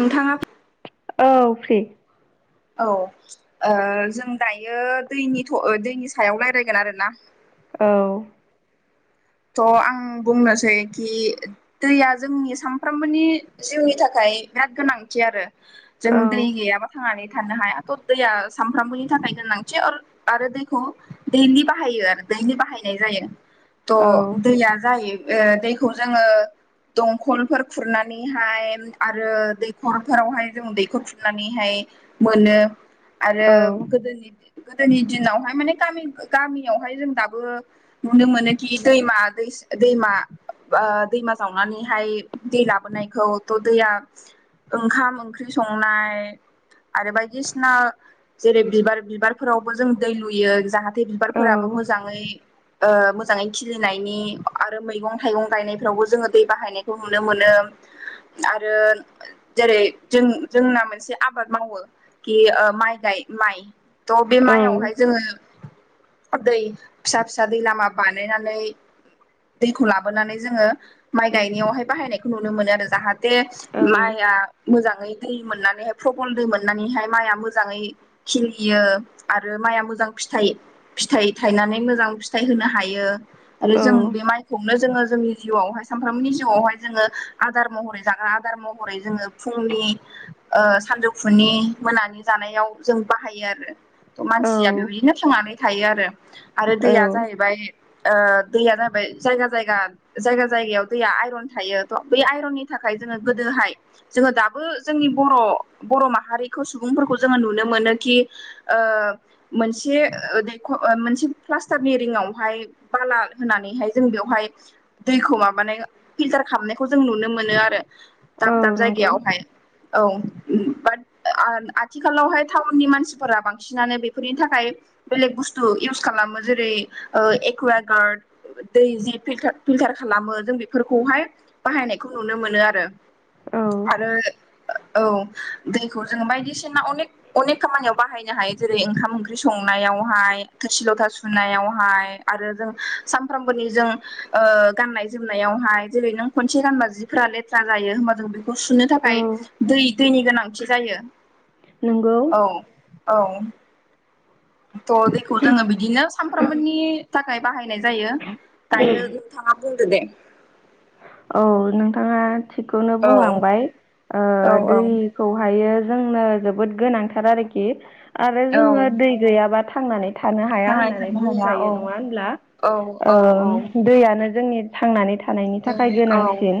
नोंथाङा औ फ्रि। औ ओ जों दायो दैनि थ दैनि सायाव रायलायगोन आरोना । औ। त'आं बुंनोसै कि दैया जोंनि सानफ्रोमबोनि जिउनि थाखाय बिराद गोनांथि आरो जों दै गैयाबा थांनानै थानो हायाथ' दैया सानफ्रामबोनि थाखाय गोनांथि आरो दैखौ दैलि बाहायो आरो दैलि बाहायनाय जायो औ त' दैया जायो ओ दैखौ जोङो दंखलफोर खुरनानैहाय आरो दैखरफोरावहाय जों दैखर खुरनानैहाय मोनो आरो औ गोदोनि गोदोनि दिनावहाय माने गामि गामियावहाय जों दाबो नुनो मोनो । कि दैमा दैस दैमा ओ दैमा जावनानैहाय दै लाबोनायखौ दैया ओंखाम ओंख्रि संनाय आरो बायदिसिना जेरै बिबार बिबारफोरावबो जों दै लुयो जाहा थे औ बिबारफोराबो मोजाङै ओ मोजाङै खिलिनायनि आरो मैगं थाइगं गायनायफ्रावबो जोङो दै बाहायनायखौ नुनो मोनो । आरो जेरै जों जोंना मोनसे आबाद मावो कि ओ माइ गाय माइ त' बे औ मायावहाय जोङो दै फिसा फिसा दै लामा बानायनानै दैखौ लाबोनानै जोङो माइ गायनायावहाय बाहायनायखौ नुनो मोनो आरो जाहा ते माइआ मोजाङै दै मोननानैहाय प्रबल दै मोननानैहाय माइआ मोजाङै खिलियो आरो माइआ मोजां फिथाइ फिथाइ थायनानै मोजां फिथाइ होनो हायो आरो जों बे माइखौनो जोङो जोंनि जिउआवहाय सानफ्रामनि जिउआवहाय जोङो आदार महरै जाग्रा आदार महरै जोङो फुंनि ओ सानजौफुनि मोनानि जानायाव जों बाहायो आरो । त' मानसिया औ बेबायदिनो थांनानै थायो आरो आरो दैया औ जाहैबाय ओ दैया जाबाय जायगा जायगा जायगा जायगायाव दैया आयरन थायो त' बेै आयरननि था थाखाय जोङो गोदोहाय जोङो दाबो जोंनि बर' बर' माहारिखौ सुबुंफोरखौ जोङो नुनो मो मोनोखि ओ मोनसे दैख' मोनसे प्लास्टारनि रिंआवहाय बाला होनानैहाय जों बेवहाय दैखौ माबानाय फिल्टार खालामनायखौ जों नुनो मोनो आरो । दाब औ दाब नंगौ जायगायावहाय औ बाट आ-आथिखालावहाय टाउननि मानसिफोरा बांसिनानो बेफोरनि थाखाय बेलेक बुस्थु इउस खालामो जेरै ओ ए एकुव गार्ड दै जि फिलटार खालामो जों बेफोरखौहाय बाहायनायखौ नुनो मोनो आरो । औ आरो औ दैखौ जों बायदिसिना अनेक अनेख खामानियाव बाहायनो हायो जेरै ओंखाम ओंख्रि सं संनायावहाय थोरसि लथा सुनायावहाय आरो जों सानफ्रामबोनि ओ जों गाननाय जोमनायावहाय जेरै नों खनसे गानबा जिफ्रा लेथ्रा जायो होमबा जों बेखौ सुनो थाखाय दै दैनि गोनांथि जायो । नोंगौ । औ । थ' दैखौ जोङो बिदिनो सामफ्रोमबोनि थाखाय बाहायनाय जायो दायो नोंथाङा बुंदो दे औ नोंथाङा थिगखौनो औ बुंलांबाय ओ औ औ दैखौहायो जोंनो जोबोद गोनांथार आरोखि आरो औ जोङो दै गैयाबा थांनानै थानो हाया थांनानै होननानै थानो हाया औ बुंजायो नङा होनब्ला औ औ ओ औ दैयानो जोंनि थांनानै थानायनि थाखाय दे औ गोनांसिन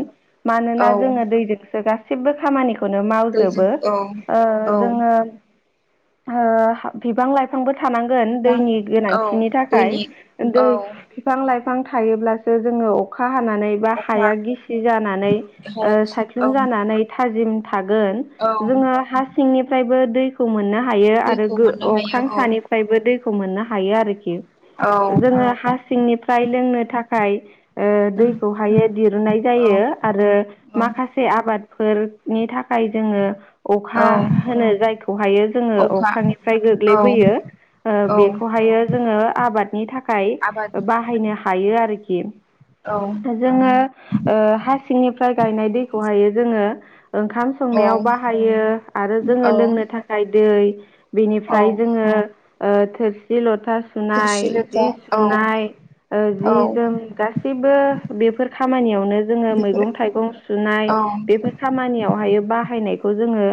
मानोना औ जोङो दैजोंसो गास सैबो खामानिखौनो दैजों मावजोबो औ ओ औ जोङो ओ बिफां लाइफांबो थानांगोन बिफां दैनि औ गोनांथिनि थाखाय दैनि दै औ बिफां लाइफ फां थायोब्लासो जोङो अखा हानानै बा अखा हाया गिसि जानानै ओ हायाखिसै औ सायख्लुम जानानै थाजिम थागोन औ जोङो हा सिंनिफ्रायबो दैखौ मोननो हायो आरो दैखौ गो मोननो हायो अख्रां औ सानिफ्रायबो दैखौ मोननो हायो आरोखि औ जोङो हा सिंनिफ्राय लोंनो थाखाय ओ दैखौहायो दिरुननाय औ जायो आरो औ माखासे आबादफोरनि थाख खाय जोङो अखा औ होनो जायखौहायो । जोङो अखा अख्रांनिफ्राय औ गोग्लैबोयो औ बेखौहायो जोङो आबादनि थाखाय आबाद बाहायनो हायो आरोखि ‌। औ । जोङो ओ हा सिंनिफ्राय गायनाय दैखौहायो जोङो ओंखाम औ संनायाव बा बाहायो आरो जोङो औ लोंनो थाखाय दै औ बेनिफ्राय जोङो ओ थोरसि लथा सुनाय थोरसि लथा जि औ सुनाय ओ औ जि जोम गासैबो बेफोर खाम नियावनो जोङो बेफोर मैगं थाइगं सुनाय औ बेफोर खामानियावहायो बाहायनाय खौ जोङो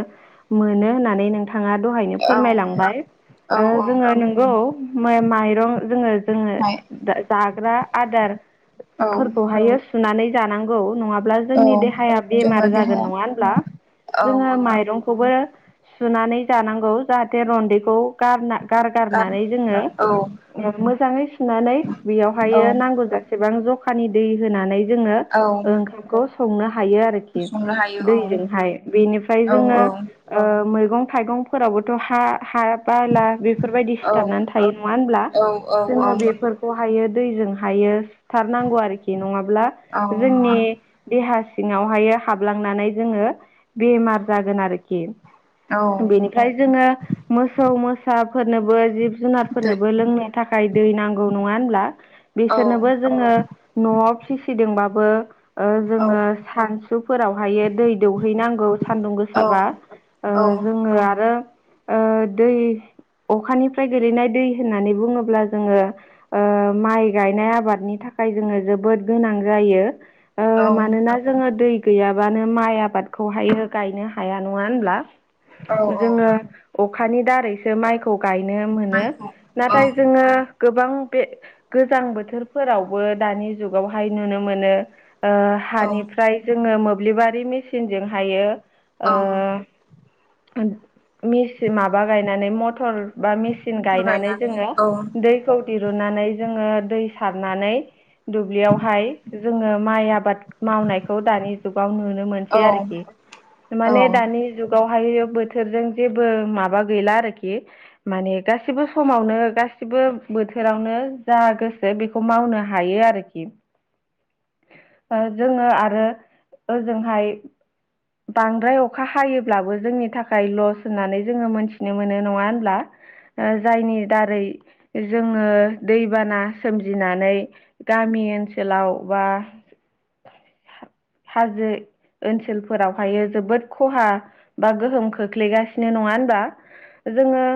मोनो होननानै नों थाङा दहायनो औ फोरमायलांबाय ओ औ जोङो नंगौ माइ‌ माइरं जोङो जोङो हाय जाग्रा औ आदारफोरखौहायो सुनानै जानांगौ नङा ब्ला औ जोंनि देहाया जोङो बेमार देहा जागोन नङा होनब्ला? औ जोङो औ माइरंखौबो सुनानै जानांगौ जाहाथे रन्दैखौ गारना गार गारगारनानै जोङो औ मोजाङै सुनानै औ बेयावहायो नांगौ जेसेबां जखानि दै होनानै जोङो औ ओंखामखौ संनो हायो आरोखि। संनो हायो औ दैजोंहाय बेनिफ्राय औ जोङो ओम मै थाइगंफोरावबोथ' हा हा बाला बेफोरबायदि सिथाबनानै औ थायो नङा होनब्ला। औ जोङो बेफोरखौहायो दैजों हायो सुथारनांगौ आरोखि नङाब्ला औ नङा जोंनि देहा सिङावहायो हाबलांनानै जोङो बेमार जागोन आरोखि। औ बेनिफ्राय जोङो मोसौ मोसा फोरनोबो जिब दो जुनारफोरनोबो लोंनो थाखाय दै नांगौ नङा होनब्ला? औ बिसोरनोबो जोङो न'आव फिसिदोंबाबो ओ औ जोङो सानसुफोरावहायो दै दौहैनांगौ सानदुं गोसाबा ओ औ जोङो आरो ओ दै अखानिफ्राय गोलैनाय दै होननानै बुङोब्ला जोङो ओ माइ गायनाय आबादनि था खाय जोङो जोबोद गोनां जायो औ ओ मानोना जोङो दै गैयाबानो माइ आबादखौहायो गायनो हाया नङा होनब्ला। औ औ जोङो अखानि दारैसो माइखौ गायनो मोनो माइखौ औ नाथाय जोङो गोबां बे गोजां बोथोरफोरावबो दानि जुगावहाय नुनो मोनो ओ औ हानिफ्राय जोङो मोब्लिबारि मिसिनजों हायो औ ओ मिसिम माबा गायनानै मथर बा मेसिन मटर गायनानै जोङो औ दैखौ दिरुननानै जोङो दै सारनानै दुब्लियावहाय जोङो माइ आबाद मावनायखौ दानि जुगाव नुनो मोनसै आरोखि औ माने दानि जुगावहायो बोथोरजों जेबो माबा गैला आरोखि माने गासिबो समावनो गासिबो बोथोरावनो जा गोसो बेखौ मावनो हायो आरोखि। [inaudible] ओ जोङो आरो ओजोंहाय बांद्राय अखा हायोब्लाबो जोंनि था खाय लस होननानै जोङो मोनथिनो मोनो नङा होनब्ला। ओ जायनि दारै जों ङो दैबाना सोमजिनानै गामि ओनसोलाव बा [inaudible] हाजो ओनसोलफोरावहायो जोबोद खहा बा गोहोम खोख्लैगासिनो नङा होनबा। जोङो